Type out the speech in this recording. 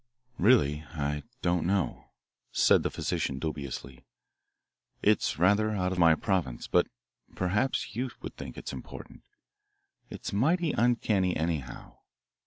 "Really, I don't know," said the physician dubiously. "It's rather out of my province, but perhaps you would think it important. It's mighty uncanny anyhow.